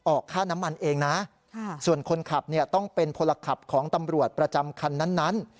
ออกค่าน้ำมันเองนะส่วนคนขับเนี่ยต้องเป็นพลขับของตำรวจประจำคันนั้น